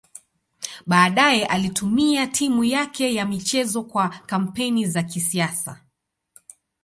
Baadaye alitumia timu yake ya michezo kwa kampeni za kisiasa.